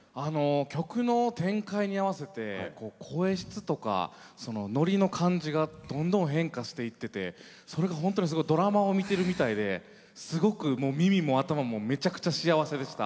曲の展開に合わせて声質とか、ノリの感じがどんどん変化していっててそれが本当にドラマを見ているみたいですごく耳も頭もめちゃくちゃ幸せでした。